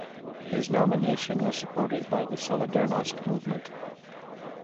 His nomination was supported by the Solidarnost movement.